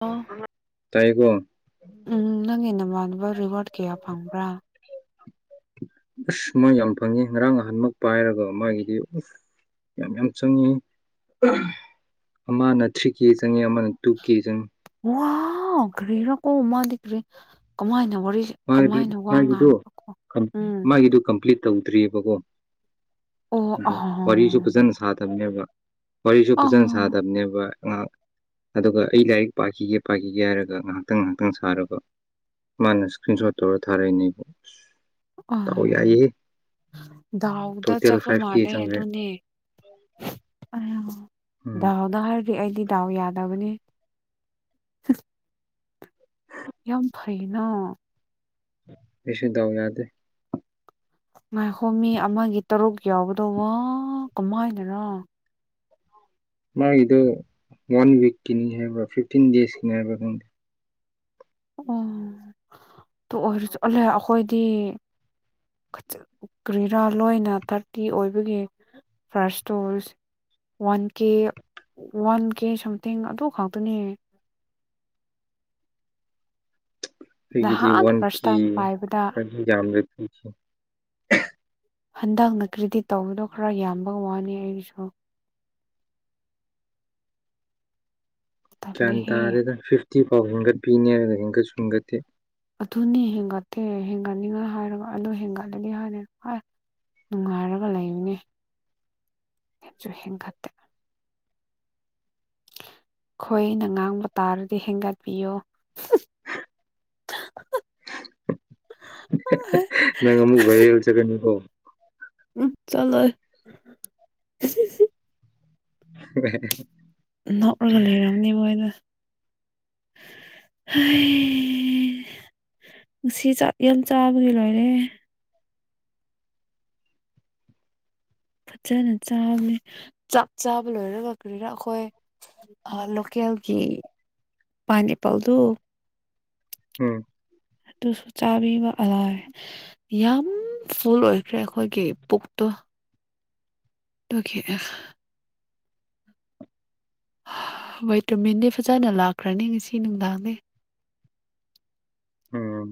ꯑꯣ ꯇꯥꯏꯌꯦꯀꯣ ꯎꯝ ꯅꯪꯒꯤ ꯅꯃꯥꯟꯅꯕ ꯔꯤꯋꯥꯔꯠ ꯀꯌꯥ ꯐꯪꯕ꯭ꯔꯥ ꯑꯁ ꯃꯣꯏ ꯌꯥꯝ ꯐꯪꯉꯤ ꯉꯔꯥꯡ ꯅꯍꯥꯟꯃꯛ ꯄꯥꯏꯔꯒ ꯃꯥꯒꯤꯗꯤ ꯃꯥꯌꯥꯝ ꯃꯥꯌꯥꯝ ꯆꯪꯉꯤ ꯑꯃꯅ ꯊ꯭ꯔꯤ ꯀꯦ ꯆꯪꯉꯤ ꯑꯃꯅ ꯇꯨ ꯀꯦ ꯆꯪꯉꯤ ꯋꯥꯎ ꯀꯔꯤꯔꯥꯀꯣ ꯃꯥꯗꯤ ꯀ꯭ꯔꯦ ꯀꯃꯥꯏꯅ ꯋꯥꯔꯤ ꯃꯥꯒꯤ ꯀꯃꯥꯏꯅ ꯋꯥ ꯃꯥꯒꯤꯗꯣ ꯉꯥꯡꯕꯀꯣ ꯎꯝ ꯃꯥꯒꯤꯗꯣ ꯀꯝꯄ꯭ꯂꯤꯠ ꯇꯧꯗ꯭ꯔꯤꯑꯕꯀꯣ ꯑꯣ ꯋꯥꯔꯤꯁꯨ ꯐꯖꯅ ꯁꯥꯗꯕꯅꯦꯕ ꯋꯥꯔꯤꯁꯨ ꯑ ꯐꯖꯅ ꯁꯥꯗꯕꯅꯦꯕ ꯉꯍꯥꯛ ꯑꯗꯨꯒ ꯑꯩ ꯂꯥꯏꯔꯤꯛ ꯄꯥꯈꯤꯒꯦ ꯄꯥꯈꯤꯒꯦ ꯍꯥꯏꯔꯒ ꯉꯥꯏꯍꯥꯛꯇꯪ ꯉꯥꯏꯍꯥꯛꯇꯪ ꯁꯥꯔꯕ ꯃꯥꯅ ꯏꯁꯀ꯭ꯔꯤꯟ ꯁꯣꯠ ꯇꯧꯔ ꯊꯥꯔꯛꯏꯅꯦꯕꯁ ꯑ ꯗꯥꯎꯗ ꯇꯣꯇꯦꯜ ꯆꯠꯄ ꯐꯥꯏꯚ ꯀꯦ ꯃꯥꯥꯟꯂꯩ ꯆꯪꯈ꯭ꯔꯦ ꯑꯗꯨꯅꯦ ꯎꯝ ꯗꯥꯎꯅ ꯍꯥꯏꯔꯗꯤ ꯑꯩꯗꯤ ꯗꯥꯎ ꯌꯥꯗꯕꯅꯤ ꯌꯥꯝ ꯐꯩꯅ ꯑꯩꯁꯨ ꯗꯥꯎ ꯌꯥꯗꯦ ꯉꯥꯏꯈꯣ ꯃꯤ ꯑꯃꯒꯤ ꯇꯔꯨꯛ ꯌꯥꯎꯕꯗꯨ ꯋꯥ ꯀꯃꯥꯏꯅꯔꯣ ꯃꯥꯒꯤꯗꯣ ꯋꯥꯟ ꯋꯤꯛꯀꯤꯅꯤ ꯍꯥꯏꯕ꯭ꯔ ꯐꯤꯐꯇꯤꯟ ꯗꯦꯖꯀꯤꯅꯤ ꯍꯥꯏꯕꯔꯥ ꯈꯪꯗꯦ ꯑꯣ ꯑꯣꯏ ꯑꯣꯂꯦ ꯑꯩꯈꯣꯏꯗꯤ [inaudible] ꯈ ꯀ꯭ꯔꯤꯔꯥ ꯂꯣꯏꯅ ꯊꯥꯔꯇꯤ ꯑꯣꯏꯕꯒꯤ ꯐꯥꯔꯁꯇꯣꯁ ꯋꯥꯟ ꯀꯦ ꯋꯥꯟ ꯀꯦ ꯁꯝꯊꯤꯡ ꯑꯗꯨ ꯈꯥꯛꯇꯅꯦ ꯑꯩꯈꯣꯏꯒꯤꯗꯤ ꯅꯍꯥꯟ ꯋꯥꯟ ꯐꯥꯔꯁ ꯀ ꯇꯥꯏꯝ ꯄꯥꯏꯕꯗ ꯀ ꯌꯥꯝꯗ [inaudible] ꯍꯟꯗꯛꯅ ꯀ꯭ꯔꯤꯗꯤꯠ ꯇꯧꯕꯗꯣ ꯈꯔ ꯌꯥꯝꯕꯒ ꯋꯥꯅꯤ ꯑꯩꯒꯤꯁꯨ ꯒ꯭ꯌꯥꯟ ꯇꯜꯂꯦꯍꯦ ꯇꯥꯔꯦꯗꯅ ꯐꯤꯐꯇꯤ ꯐꯥꯎ ꯍꯦꯟꯒꯠꯄꯤꯅꯤ ꯍꯥꯏꯔꯒ ꯍꯦꯟꯀꯠꯁꯨ ꯍꯟꯒꯠꯇꯦ ꯑꯗꯨꯅꯤ ꯍꯦꯟꯒꯠꯇꯦ ꯍꯦꯟꯒꯠꯅꯤꯡꯉꯥꯏ ꯍꯥꯏꯔꯒ ꯑꯗꯨ ꯍꯦꯟꯒꯠꯂꯒꯗꯤ ꯍꯥꯏꯅꯤ ꯐꯥꯏ ꯅꯨꯡꯉꯥꯏꯔꯒ ꯂꯩꯕꯅꯦ ꯍꯦꯟꯁꯨ ꯍꯦꯟꯒꯠꯇꯦ ꯑꯩꯈꯣꯏꯅ ꯉꯥꯡꯕ ꯇꯥꯔꯗꯤ ꯍꯦꯟꯒꯠꯄꯤꯌꯨ [unintelligible] ꯅꯪ ꯑꯃꯨꯛ ꯚꯥꯏꯔꯦꯜ ꯆꯠꯀꯅꯤꯀꯣ ꯎꯝ ꯆꯠꯂꯣꯏ [unintelligible] ꯅꯣꯛꯂ ꯂꯧꯔꯝꯅꯤ ꯃꯣꯏꯗꯣ ꯍꯥꯏ ꯉꯁꯤ ꯆꯥꯛ ꯌꯥꯝ ꯆꯥꯕꯒꯤ ꯂꯣꯏꯔꯦ ꯐꯖꯅ ꯆꯥꯕꯅꯦ ꯆꯥꯛ ꯆꯥꯕ ꯂꯣꯏꯔꯒ ꯀꯔꯤꯔꯥ ꯑꯩꯈꯣꯏ ꯂꯣꯀꯦꯜꯒꯤ ꯄꯥꯏꯅꯦꯄꯜꯗꯨ ꯎꯝ ꯑꯗꯨꯨꯁꯨ ꯆꯥꯕꯤꯕ ꯑꯂꯥꯏ ꯌꯥꯝ ꯐꯨꯜ ꯑꯣꯏꯈ꯭ꯔꯦ ꯑꯩꯈꯣꯏꯒꯤ ꯄꯨꯛꯇꯣ ꯇꯀꯦ [inaudible] ꯚꯤꯇꯥꯃꯤꯟꯗꯤ ꯐꯖꯅ ꯂꯥꯛꯈ꯭ꯔꯅꯤ ꯉꯁꯤ ꯅꯨꯡꯗꯥꯡꯗꯤ ꯎꯝ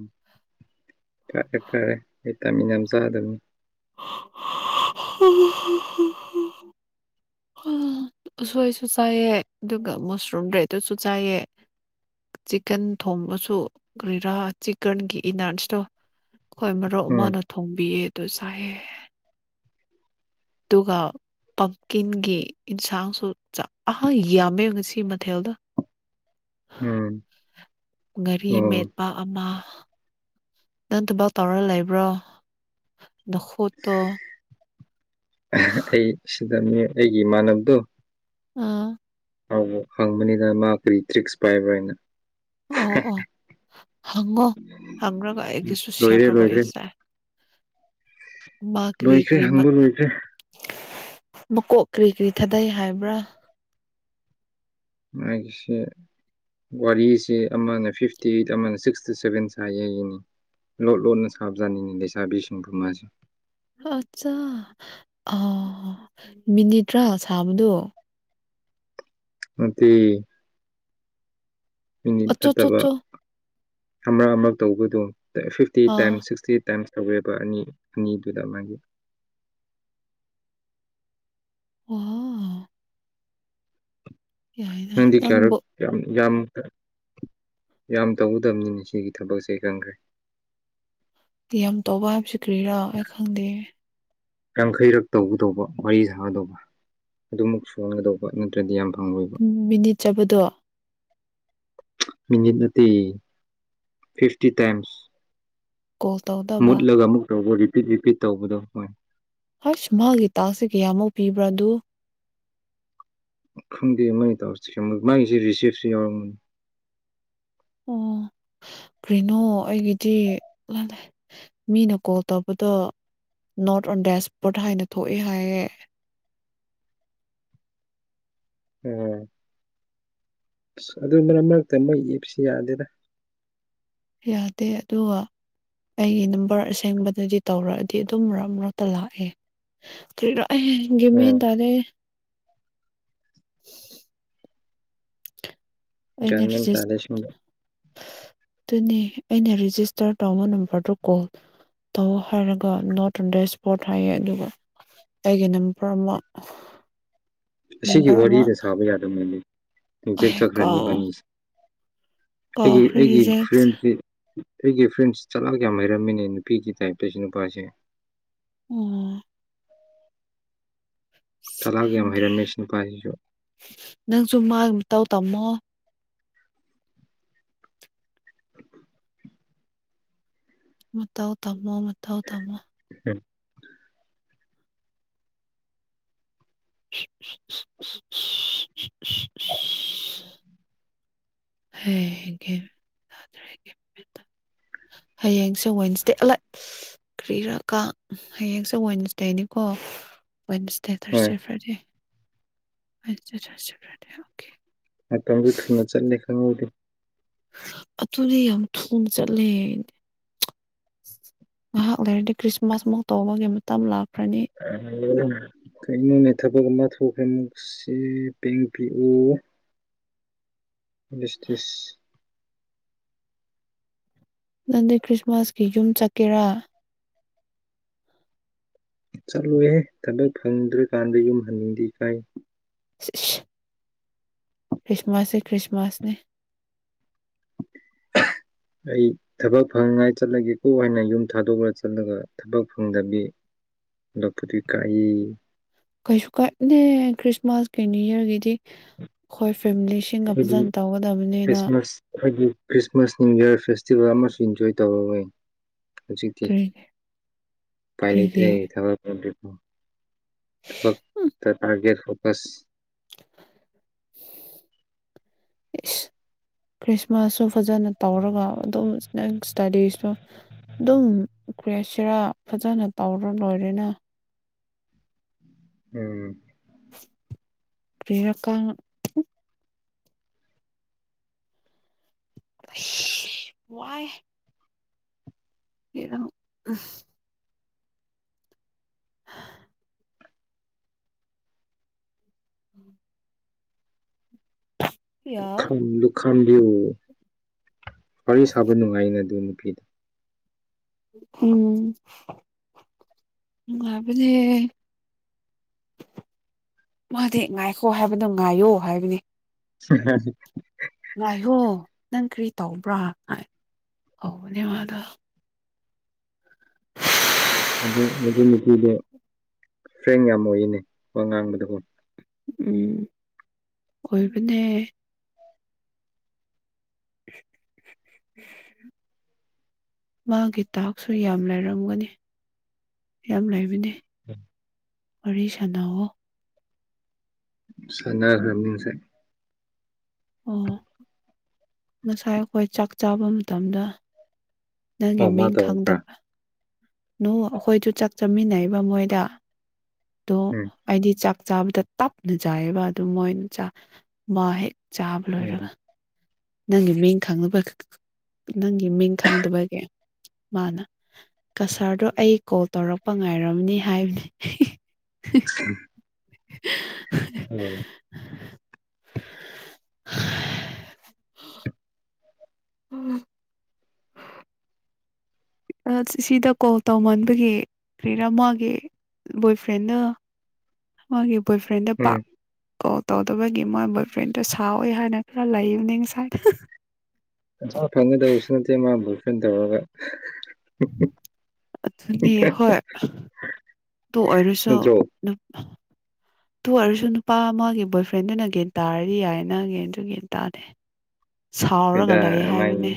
ꯐꯔꯦ ꯐꯔꯦ ꯚꯤꯇꯥꯃꯤꯟ ꯌꯥꯝ ꯆꯥꯗꯕꯅꯤ [unintelligible] ꯎꯁꯣꯏꯁꯨ ꯆꯥꯏꯑ ꯑꯗꯨꯒ ꯃꯁꯔꯨꯝ ꯗ꯭ꯔꯦꯗꯨꯁꯨ ꯆꯥꯏꯑ ꯆꯤꯛꯀꯟ ꯊꯣꯡꯕꯁꯨ ꯀꯔꯤꯔꯥ ꯆꯤꯛꯀꯟꯒꯤ ꯏꯅꯥꯔꯟꯁꯇꯣ ꯍꯣꯏ ꯃꯔꯨꯞ ꯎꯝ ꯑꯃꯅ ꯊꯣꯡꯕꯤꯌꯦ ꯑꯗꯨ ꯆꯥꯏꯑꯦ ꯑꯗꯨꯒ ꯄꯝꯀꯤꯟꯒꯤ ꯌꯦꯟꯁꯥꯡꯁꯨ ꯆꯥꯛ ꯑ ꯌꯥꯝꯃꯦ ꯉꯁꯤ ꯃꯊꯦꯜꯗꯣ ꯎꯝ ꯉꯥꯔꯤ ꯑꯣ ꯃꯦꯠꯄ ꯑꯃ ꯅꯪꯗꯨꯐꯥꯎ ꯇꯧꯔꯒ ꯂꯩꯕ꯭ꯔꯣ ꯅꯈꯣꯠꯇꯣ [inaudible] ꯑꯩ ꯁꯤꯗ ꯑꯩꯒꯤ ꯏꯃꯥꯟꯅꯕꯗꯣ ꯑ ꯑ ꯍꯪꯕꯅꯤꯅ ꯃꯥ ꯀꯔꯤ ꯇ꯭ꯔꯤꯛꯁ ꯄꯥꯏꯕ꯭ꯔꯥ ꯍꯥꯏꯅ ꯑꯣ ꯑꯣ ꯍꯪꯉꯣ ꯍꯪꯉ꯭ꯔꯒ ꯑꯩꯒꯤꯁꯨ ꯂꯣꯏꯔꯦ ꯁꯤꯌꯥꯔ ꯂꯣꯏꯈ꯭ꯔꯦ ꯇꯧꯕꯑꯁꯦ ꯀꯔꯤ ꯂꯣꯏꯈ꯭ꯔꯦ ꯀꯔꯤ ꯍꯕ ꯂꯣꯏꯈ꯭ꯔꯦ ꯃꯀꯣꯛ ꯀꯔꯤ ꯀꯔꯤ ꯊꯥꯗꯩ ꯍꯥꯏꯕ꯭ꯔꯥ ꯃꯥꯒꯤꯁꯦ ꯋꯥꯔꯤꯁꯦ ꯑꯃꯅ ꯐꯤꯐꯇꯤ ꯑꯩꯠ ꯑꯃꯅ ꯁꯤꯛꯁꯇꯤ ꯁꯚꯦꯟ ꯁꯥꯏꯌꯦꯒꯤꯅꯤ ꯂꯣꯠ ꯂꯣꯟꯠꯅ ꯁꯥꯕꯖꯥꯅꯤꯡꯉꯤ ꯂꯩꯁꯥꯕꯤꯁꯤꯡꯕꯨ ꯃꯥꯁꯦ ꯑꯠꯆꯥ ꯑ ꯃꯤꯅꯤꯠ ꯇꯔꯥ ꯁꯥꯕꯗꯣ [inaudible] ꯃꯤꯅꯤꯠ ꯑꯆꯣ ꯆꯣ ꯅꯠꯇꯕ ꯆꯣ ꯑꯃꯔꯛ ꯑꯃꯔꯛ ꯇꯧꯕꯗꯣ ꯐꯤꯐꯇꯤ ꯑꯥ ꯇꯥꯏꯝꯁ ꯁꯤꯛꯁꯇꯤ ꯇꯥꯏꯝꯁ ꯇꯧꯋꯦꯕ ꯑꯅꯤ ꯑꯅꯤꯗꯨꯗ ꯃꯥꯒꯤ ꯑꯣ ꯌꯥꯏꯅ ꯅꯪꯗꯤ ꯀꯌꯥꯔꯛ ꯅꯪꯕꯨ ꯌꯥꯝ ꯌꯥꯝ ꯌꯥꯝ ꯇꯧꯒꯗꯕꯅꯤꯅ ꯁꯤꯒꯤ ꯊꯕꯛꯁꯦ ꯈꯪꯈ꯭ꯔꯦ ꯌꯥꯝ ꯇꯧꯕ ꯍꯥꯏꯕꯁꯤ ꯀ꯭ꯔꯤꯔꯣ ꯑꯩ ꯈꯪꯗꯦ ꯌꯥꯡꯈꯩꯔꯛ ꯇꯧꯒꯗꯧꯕ ꯋꯥꯔꯤ ꯁꯥꯒꯗꯧꯕ ꯑꯗꯨꯃꯛ ꯁꯨꯍꯥꯜꯒꯗꯧꯕ ꯄꯣꯠ ꯅꯠꯇ꯭ꯔꯗꯤ ꯌꯥꯝ ꯐꯪꯉꯣꯢꯕ ꯃꯤꯅꯤꯠ ꯆꯠꯄꯗꯣ ꯃꯤꯅꯤꯠ ꯅꯠꯇꯦ ꯐꯤꯐꯇꯤ ꯇꯥꯏꯝꯁ ꯀꯣꯜ ꯇꯧ ꯃꯨꯠꯂꯒ ꯑꯃꯨꯛ ꯇꯧꯕ ꯔꯤꯄꯤꯠ ꯔꯤꯄꯤꯠ ꯇꯧꯕꯗꯣ ꯍꯣꯏ ꯍꯁ ꯃꯥꯒꯤ ꯇꯥꯛꯁꯦ ꯀꯌꯥꯃꯨꯛ ꯄꯤꯕ꯭ꯔꯥ ꯑꯗꯨ ꯈꯪꯗꯦ ꯃꯣꯏꯅ ꯇꯧꯔꯁꯦ ꯃꯥꯒꯤꯁꯦ ꯔꯤꯁꯤꯞꯁꯨ ꯌꯥꯎꯔꯝꯒꯅꯤ ꯑꯣ ꯀꯔꯤꯅꯣ ꯑꯩꯒꯤꯗꯤ ꯂꯜꯂꯦ ꯃꯤꯅ ꯀꯣꯜ ꯇꯧꯕꯗꯣ ꯅꯣꯔꯠ ꯑꯣꯟ ꯗꯦꯁꯄꯣꯔꯠ ꯍꯥꯏꯅ ꯊꯣꯛꯑꯦ ꯍꯥꯏꯌꯦ ꯑ ꯑꯁ ꯑꯗꯨ ꯃꯔꯛ ꯃꯔꯛꯇ ꯃꯣꯏ ꯑꯦꯞꯁꯤ ꯌꯥꯗꯦꯗ ꯌꯥꯗꯦ ꯑꯗꯨ ꯑꯩꯒꯤ ꯅꯝꯕꯔ ꯑꯁꯦꯡꯕꯗꯗꯤ ꯇꯧꯔꯛꯑꯗꯤ ꯑꯗꯨꯝ ꯃꯔꯛ ꯃꯔꯛꯇ ꯂꯥꯛꯑꯦ ꯒꯔꯤꯔ ꯒꯌꯥꯟ ꯃꯦꯟ ꯑꯣ ꯇꯥꯗꯦ [unintelligible] ꯑꯩꯅ ꯒ꯭ꯌꯥꯟ ꯐ ꯃꯦꯟ [inaudible] ꯇꯥꯗꯦ ꯁꯤꯒꯨꯝꯕ ꯑꯗꯨꯅꯦ ꯑꯩꯅ ꯔꯦꯖꯤꯁꯇꯔ ꯇꯧꯕ ꯅꯝꯕꯔꯗꯨ ꯀꯣꯜ ꯇꯧ ꯍꯥꯏꯔꯒ ꯅꯣꯠ ꯑꯣꯟ ꯏꯁꯄꯣꯔꯠ ꯍꯥꯏꯌꯦ ꯑꯗꯨꯒ ꯑꯩꯒꯤ ꯅꯝꯕꯔ ꯑꯃ [inaudible] ꯑꯁꯤꯒꯤ ꯅꯝꯕꯔ ꯑꯃ ꯋꯥꯔꯤꯗ ꯁꯥꯕ ꯌꯥꯗꯕꯅꯤ ꯔꯤꯖꯦꯛ ꯑꯩ ꯆꯠꯈ꯭ꯔꯅꯤ ꯀꯥꯎ ꯢꯕꯥꯅꯤꯁꯦ ꯑꯩꯒꯤ ꯀꯥꯎꯈ꯭ꯔꯦ ꯑꯩꯒꯤ ꯔꯤꯖꯦꯛ ꯐ꯭ꯔꯦꯟꯁꯤ ꯑꯩꯒꯤ ꯐ꯭ꯔꯦꯟꯁ ꯆꯠꯂꯥꯛ ꯌꯥꯝ ꯍꯩꯔꯝꯃꯤꯅꯦ ꯅꯨꯄꯤꯒꯤ ꯇꯥꯏꯞꯇꯁꯨ ꯅꯨꯄꯥꯁꯦ ꯎꯝ ꯆꯂꯥꯛ ꯌꯥꯝ ꯈꯪꯗ꯭ꯔꯦ ꯍꯩꯔꯝꯃꯦ ꯁꯤ ꯅꯨꯄꯥꯁꯤꯁꯨ ꯅꯪꯁꯨ ꯃꯥꯒꯤ ꯃꯇꯧ ꯇꯝꯃꯣ ꯃꯇꯧ ꯇꯝꯃꯣ ꯃꯇꯧ ꯇꯝꯃꯣ ꯎꯝ [inaudible] [inaudible] ꯍꯥ [inaudible] ꯍꯌꯦꯡꯁꯦ ꯋꯦꯟꯁꯗꯦ ꯑꯂꯥꯏ ꯀꯔꯤꯔ ꯀꯥꯡ ꯍꯌꯦꯡꯁꯦ ꯋꯦꯟꯁꯗꯦꯅꯤꯀꯣ ꯋꯦꯟꯁꯅꯥꯁ ꯑꯣ ꯗꯦ ꯍꯣꯏ Thursday Friday Thursday Friday okay [inaudible] ꯃꯇꯝꯁꯨ ꯊꯨꯅ ꯆꯠꯂꯦ ꯈꯪꯍꯧꯗꯦ ꯑꯗꯨꯗꯤ ꯌꯥꯝ ꯊꯨꯅ ꯆꯠꯂꯦ ꯉꯥꯏꯍꯥꯛ ꯂꯩꯔꯗꯤ ꯈ꯭ꯔꯤꯁꯃꯥꯁꯃꯨꯛ ꯇꯧꯕꯒꯤ ꯃꯇꯝ ꯂꯥꯛꯈ꯭ꯔꯅꯤ ꯀꯒꯤꯅꯣꯅꯦ ꯊꯕꯛ ꯑꯃ ꯊꯣꯛꯈ꯭ꯔ ꯃꯁꯤ ꯄꯦꯡ ꯄꯤꯎ ꯁꯇꯤꯁ [inaudible] ꯅꯪꯗꯤ ꯈ꯭ꯔꯤꯁꯃꯥꯁꯀꯤ ꯌꯨꯝ ꯆꯠꯀꯦꯔꯥ ꯆꯠꯂꯨꯍꯦ ꯊꯕꯛ ꯐꯪꯗ꯭ꯔꯀꯥꯟꯗ ꯌꯨꯝ ꯍꯟꯅꯤꯡꯗꯦ ꯏꯀꯥꯏ ꯁꯤꯁ ꯈ꯭ꯔꯤꯁꯃꯥꯁꯦ ꯈ꯭ꯔꯤꯁꯃꯥꯁꯅꯦ ꯑꯩ ꯊꯕꯛ ꯐꯪꯉꯥꯏ ꯆꯠꯂꯒꯦꯀꯣ ꯍꯥꯏꯅ ꯌꯨꯝ ꯊꯥꯗꯣꯛꯂꯒ ꯆꯠꯂꯒ ꯊꯕꯛ ꯐꯪꯗꯕꯤ ꯍꯥꯜꯂꯛꯕꯗꯣ ꯢꯀꯥꯏ ꯀꯩꯁꯨ ꯀꯥꯏꯗꯦ ꯈ꯭ꯔꯤꯁꯃꯥꯁꯀꯤ ꯅꯤꯌꯨ ꯌꯌꯥꯔꯒꯤꯗꯤ ꯑꯩꯈꯣꯏ ꯐꯦꯃꯤꯂꯤꯁꯤꯡꯒ ꯑꯩꯗꯤ ꯐꯖꯅ ꯇꯧꯒꯗꯕꯅꯤꯅ ꯈ꯭ꯔꯤꯁꯃꯥꯁ ꯑꯩꯈꯣꯏꯒꯤ ꯈ꯭ꯔꯤꯁꯃꯥꯁ ꯅꯅꯤꯌꯨ ꯌꯔ ꯐꯦꯁꯇꯤꯚꯦꯜ ꯑꯃꯁꯨ ꯏꯟꯖꯣꯏ ꯇꯧꯔꯅꯤ ꯍꯧꯖꯤꯛꯇꯤ ꯀꯔꯤ ꯄꯥꯏ ꯂꯩꯇ꯭ꯔꯦ ꯀꯔꯤꯒꯤ ꯊꯥꯕꯛ ꯐꯪꯗꯔꯤꯐꯥꯎ ꯎꯝ ꯊꯕꯛꯇꯥ ꯇꯔꯒꯦꯠ ꯐꯣꯀꯁ ꯏꯁ ꯈ꯭ꯔꯤꯁꯃꯥꯁꯁꯨ ꯐꯖꯅ ꯇꯧꯔꯒ ꯑꯗꯨꯝ ꯅꯪ ꯏꯁꯇꯗꯤꯁꯨ ꯑꯗꯨꯝ ꯀ꯭ꯔꯤ ꯍꯥꯏꯁꯤꯔꯥ ꯐꯖꯅ ꯇꯧꯔ ꯂꯣꯏꯔꯦꯅ ꯎꯝ ꯄꯔꯤꯔꯀꯥ ꯋꯥꯏ [unintelligible] [inaudible] ꯂꯨꯈꯥꯝ ꯂꯨ ꯈꯥꯝꯕꯤꯌꯨ ꯋꯥꯔꯤ ꯁꯥꯕ ꯅꯨꯡꯉꯥꯏꯅ ꯑꯗꯨ ꯅꯨꯄꯤꯗꯤ ꯎꯝ ꯅꯨꯉꯥꯏꯕꯅꯦ ꯃꯥꯗꯤ ꯉꯥꯏꯈꯣ ꯍꯥꯏꯕꯗꯣ ꯉꯥꯏꯌꯣ ꯍꯥꯏꯕꯅꯤ [inaudible] ꯉꯥꯏꯍꯣ ꯅꯪ ꯀꯔꯤ ꯇꯧꯕ꯭ꯔꯥ ꯇꯧꯕꯅꯦ ꯃꯗꯣ ꯑꯗꯨ ꯍꯧꯖꯤ ꯅꯨꯄꯤꯗꯤ ꯐ꯭ꯔꯦꯟ ꯌꯥꯝ ꯑꯣꯏꯌꯦꯅꯦ ꯋꯥ ꯉꯥꯡꯕꯗꯀꯣ ꯎꯝ ꯑꯣꯏꯕꯅꯦ [inaudible] ꯃꯥꯒꯤ ꯇꯥꯛꯁꯨ ꯌꯥꯝ ꯂꯩꯔꯝꯒꯅꯤ ꯌꯥꯝ ꯂꯩꯕꯅꯤ ꯋꯥꯔꯤ ꯁꯥꯟꯅꯑꯣ ꯁꯅꯒ꯭ꯔꯕꯅꯤ ꯉꯥꯁꯥꯏ ꯑꯣ ꯉꯁꯥꯏ ꯑꯩꯈꯣꯏ ꯆꯥꯛ ꯆꯥꯕ ꯃꯇꯝꯗ ꯅꯪꯒꯤ ꯑꯣ ꯃꯥ ꯃꯤꯡ ꯇꯧꯔꯛꯄ꯭ꯔꯥ ꯈꯪꯗꯕ ꯅꯣ ꯑꯩꯈꯣꯏꯁꯨ ꯆꯥꯛ ꯆꯥꯃꯤꯟꯅꯩꯕ ꯃꯣꯏꯗ ꯑꯗꯨ ꯎꯝ ꯑꯩꯗꯤ ꯆꯥꯛ ꯆꯥꯕꯗ ꯇꯞꯅ ꯆꯥꯏꯑꯕ ꯑꯗꯨ ꯃꯣꯏꯅ ꯆꯥ ꯃꯥ ꯍꯦꯛ ꯆꯥꯕ ꯂꯣꯏꯔꯒ ꯎꯝ ꯅꯪꯒꯤ ꯃꯤꯡ ꯈꯪꯅꯕ ꯅꯪꯒꯤ ꯃꯤꯡ ꯈꯪꯗꯕꯒꯤ ꯃꯥꯅ ꯀꯁꯔꯗꯣ ꯑꯩ ꯀꯣꯜ ꯇꯧꯔꯛꯄ ꯉꯥꯏꯔꯕꯅꯤ ꯍꯥꯏꯕꯅꯤ [unintelligible] [unintelligible] [unintelligible] ꯎꯝ ꯑꯁ ꯁꯤꯗ ꯀꯣꯜ ꯇꯧꯃꯟꯕꯒꯤ ꯀꯔꯤꯔꯥ ꯃꯒꯤ ꯕꯣꯏꯐ꯭ꯔꯦꯟꯗꯣ ꯃꯥꯒꯤ ꯕꯣꯏꯐ꯭ꯔꯦꯟꯗ ꯄꯥꯛ ꯎꯝ ꯀꯣꯜ ꯇꯧꯗꯕꯒꯤ ꯃꯣꯏ ꯕꯣꯏ ꯐ꯭ꯔꯦꯟꯗꯣ ꯁꯥꯎꯏ ꯍꯥꯏꯅ ꯈꯔ ꯂꯩꯕꯅꯤ ꯉꯁꯥꯏ ꯄꯩꯁꯥ ꯐꯪꯒꯗꯕꯁꯨ ꯅꯠꯇꯦ ꯃꯥ ꯕꯣꯏ ꯐ꯭ꯔꯦꯟ ꯇꯧꯔꯒ ꯑꯗꯨꯅꯤ ꯍꯣꯏ ꯑꯥꯗꯨ ꯑꯣꯏꯔꯁꯨ ꯅꯠꯇ꯭ꯔꯣ ꯇꯨ ꯑꯣꯏꯔꯁꯨ ꯅꯨꯄꯥ ꯑꯃꯒꯤ ꯕꯣꯏ ꯐ꯭ꯔꯦꯟꯗꯨꯅ ꯒ꯭ꯌꯥꯟ ꯇꯥꯔꯗꯤ ꯌꯥꯏ ꯅꯪ ꯒꯤ ꯑꯗꯨꯒꯤ ꯇꯥꯗꯦ ꯁꯥꯎꯔꯒ ꯍꯣꯏꯗ ꯂꯩ ꯃꯥꯏ ꯍꯥꯏꯕꯅꯦ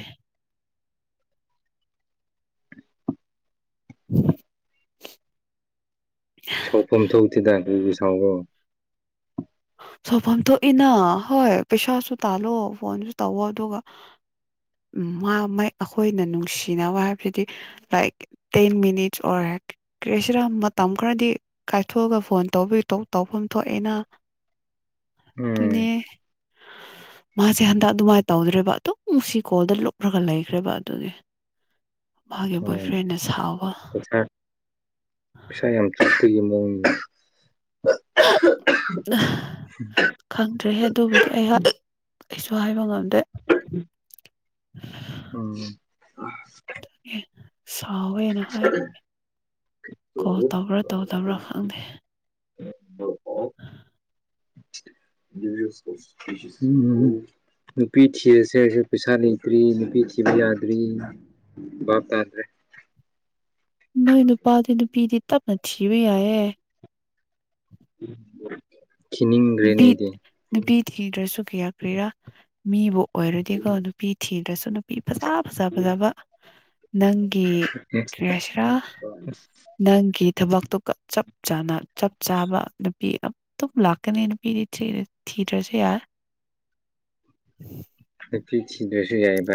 [inaudible] ꯁꯥꯎꯐꯝ ꯊꯣꯛꯇꯦꯗ ꯀꯔꯤꯒꯤ ꯁꯥꯎꯕ꯭ꯔꯣ ꯁꯥꯎꯐꯝ ꯊꯣꯛꯏꯅ ꯍꯣꯏ ꯄꯩꯁꯥꯁꯨ ꯇꯥꯜꯂꯣ ꯐꯣꯟꯁꯨ ꯇꯧꯋꯣ ꯑꯗꯨꯒ ꯃꯥ ꯑꯩꯈꯣꯏꯅ ꯅꯨꯡꯁꯤꯅꯕ ꯍꯥꯏꯕꯗꯨꯗꯤ ꯂꯥꯏꯛ ꯇꯦꯟ ꯃꯤꯅꯤꯠꯁ ꯑꯣꯔ ꯀꯦꯁꯤꯔ ꯃꯇꯝ ꯈꯔꯗꯤ ꯀꯥꯏꯊꯣꯛꯑꯒ ꯐꯣꯟ ꯇꯧꯕꯤ ꯇꯧꯐꯝ ꯊꯣꯛꯑꯦꯅ ꯎꯝ ꯑꯗꯨꯅꯦ ꯃꯥꯁꯦ ꯍꯟꯗꯛ ꯑꯗꯨꯃꯥꯏꯅ ꯇꯧꯗ꯭ꯔꯦꯕ ꯑꯗꯨꯝ ꯁꯤ ꯀꯣꯜꯗ ꯂꯨꯞꯂꯒ ꯂꯩꯈ꯭ꯔꯦꯕ ꯑꯗꯨꯒꯤ [inaudible] ꯕꯣꯏ ꯎꯝ ꯐ꯭ꯔꯦꯟꯅ ꯁꯥꯎꯕ ꯄꯁꯥ ꯌꯥꯝꯝ ꯊ ꯐꯏ ꯃꯅ ꯑ ꯈꯪꯗ꯭ꯔꯦꯍꯦ ꯑꯗꯨꯕꯨꯗꯤ ꯑꯩꯍꯥꯛ ꯑꯩꯁꯨ ꯍꯥꯏꯕ ꯉꯝꯗ꯭ꯔꯦ ꯎꯝ ꯎꯝ ꯇꯦ ꯁꯥꯎꯋꯦꯅ ꯍꯥꯏꯕ ꯀꯣꯜ ꯇꯧꯕ꯭ꯔꯥ ꯇꯧꯗꯕ꯭ꯔꯥ ꯈꯪꯗꯦ [inaudible] [inaudible] ꯅꯨꯄꯤ ꯊꯤꯔꯁꯦ ꯑꯩꯁꯨ ꯄꯩꯁꯥ ꯂꯩꯇ꯭ꯔꯤ ꯅꯨꯄꯤ ꯊꯤꯕ ꯌꯥꯗ꯭ꯔꯤ ꯥꯇꯗ꯭ꯔꯦ ꯅ ꯏꯅ ꯅꯨ ꯄꯄꯥꯗꯅ ꯅꯨ ꯄꯤꯗꯤ ꯇꯞꯅꯊꯤꯕꯨ ꯌꯥꯌꯦ ꯎꯝ ꯅꯨꯄꯤ ꯅꯨꯄꯤ ꯊꯤꯡꯗ꯭ꯔꯁꯨ ꯀꯌꯥ ꯀꯔꯤꯔꯥ ꯃꯤꯕꯨ ꯑꯣꯏꯔꯗꯤꯀꯣ ꯅꯨꯄꯤ ꯊꯤꯗ꯭ꯔꯁꯨ ꯅꯨꯄꯤ ꯐꯖ ꯐꯖ ꯐꯖꯕ ꯅꯪꯒꯤ ꯑꯦ ꯀ꯭ꯔꯤꯌꯥꯁꯤꯔꯥ ꯅꯪꯒꯤ ꯊꯕꯛꯇꯨꯒ ꯆꯞ ꯆꯥꯅ ꯆꯞ ꯆꯥꯕ ꯅꯨꯄꯤ ꯑꯇꯝ ꯂꯥꯛ ꯀꯅꯦ ꯅꯨꯄꯤꯗꯤ ꯊꯤꯗ꯭ꯔꯁꯨꯦ ꯌꯥꯔꯦ ꯅꯨꯄꯤꯤ ꯊꯤꯗꯨꯁꯨ ꯌꯥꯏꯑꯕ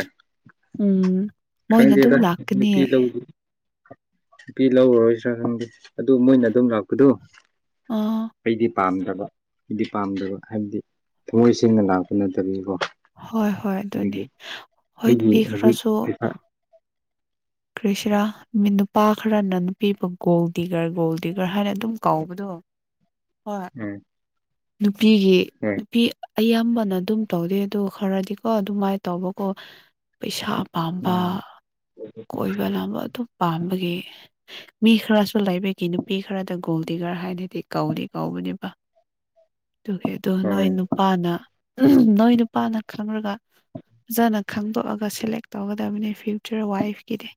ꯎꯝ ꯃꯣꯏꯅ ꯈꯪꯗꯦꯗ ꯑꯗꯨꯝ ꯂꯥꯛꯀꯅꯤ ꯅꯨꯄꯤ ꯂꯧ ꯅꯨꯄꯤ ꯂꯧꯔꯔꯣꯏꯁ꯭ꯔꯥ ꯈꯪꯗꯦ ꯑꯗꯨ ꯃꯣꯏꯅ ꯑꯗꯨꯝ ꯂꯥꯛꯄꯗꯣ ꯑ ꯑꯩꯗꯤ ꯄꯥꯝꯗꯕ ꯑꯩꯗꯤ ꯄꯥꯝꯗꯕ ꯍꯥꯏꯕꯗꯤ ꯊꯃꯣꯏ ꯁꯦꯡꯅ ꯂꯥꯛꯄ ꯅꯠꯇꯕꯤꯀꯣ ꯍꯣꯏ ꯍꯣꯏ ꯑꯗꯨꯅꯤ ꯑꯗꯒꯤ ꯍꯣꯏ ꯑꯩꯒꯤ ꯍꯧꯖꯤꯛ ꯅꯨꯕꯤꯈ꯭ꯔꯁꯨ ꯄꯩꯁꯥ ꯀ꯭ꯔꯤꯁꯔꯥ ꯃꯤ ꯅꯨꯄꯥ ꯈꯔꯅ ꯅꯨꯄꯤꯕꯨ ꯒꯣꯜꯗꯤꯒꯔ ꯒꯣꯜꯗꯤꯒꯔ ꯍꯥꯏꯅ ꯑꯗꯨꯝ ꯀꯥꯎꯕꯗꯣ ꯍꯣꯏ ꯎꯝ ꯅꯨꯄꯤꯒꯤ ꯎꯝ ꯅꯨꯄꯤ ꯑꯌꯥꯝꯕꯅ ꯑꯗꯨꯝ ꯇꯧꯗꯦ ꯑꯗꯣ ꯈꯔꯗꯤꯀꯣ ꯑꯗꯨꯃꯥꯏꯅ ꯇꯧꯕꯀꯣ ꯄꯩꯁꯥ ꯄꯥꯝꯕ ꯎꯝ ꯀꯣꯏꯕꯅꯨ ꯑꯗꯨꯝ ꯄꯥꯝꯕꯒꯤ ꯃꯤ ꯈꯔꯁꯨ ꯂꯥꯏꯕꯒꯤ ꯅꯨ ꯅꯨꯄꯤ ꯈꯔꯗ ꯒꯣꯜꯗꯤꯒꯔ ꯍꯥꯏꯅꯗꯤ ꯀꯧꯏ ꯀꯧꯕꯅꯦꯕ ꯑꯗꯨꯒꯤ ꯑꯗꯨꯗꯣ ꯅꯣꯏ ꯍꯣꯏ ꯅꯨꯄꯥꯅ ꯅꯣꯏ ꯅꯨꯄꯥꯅ ꯈꯪꯔꯒ ꯐꯖꯅ ꯈꯪꯗꯣꯛꯑꯒ ꯁꯦꯂꯦꯛ ꯇꯧꯒꯗꯕꯅꯤ ꯐ꯭ꯌꯨꯆꯔ ꯋꯥꯏꯐ ꯀꯗꯤ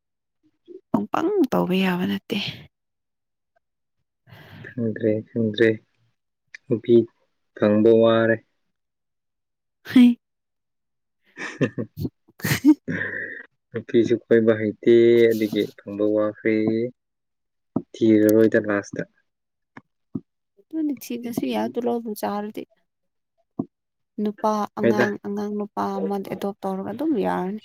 ꯄꯪꯄꯪ ꯇꯧꯕ ꯌꯥꯕ ꯅꯠꯇꯦ ꯐꯪꯗ꯭ꯔꯦ ꯐꯪꯗ꯭ꯔꯦ ꯅꯨꯄꯤ ꯐꯪꯕ ꯋꯥꯔꯦ ꯍ ꯍ [unintelligible] ꯅꯨꯄꯤꯁꯨ ꯈꯣꯏꯕ ꯍꯩꯇꯦ ꯑꯗꯨꯗꯒꯤ ꯐꯪꯕ ꯋꯥꯈ꯭ꯦ ꯊꯤꯔꯔꯣꯏꯗ ꯂꯥꯁꯇ ꯑꯗꯨ ꯅꯤꯡꯊꯤꯅꯁꯨ ꯌꯥꯗꯣ ꯂꯕ ꯆꯥꯔꯗꯤ ꯅꯨꯄꯥ ꯍꯣꯏꯗ ꯑꯉꯥꯡ ꯑꯉꯥꯡ ꯅꯨꯄꯥ ꯑꯃ ꯑꯦꯗꯣꯞ ꯇꯧꯔꯒ ꯑꯗꯨꯝ ꯌꯥꯔꯅꯤ